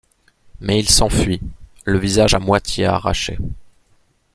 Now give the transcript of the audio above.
Mais il s'enfuit, le visage à moitié arraché.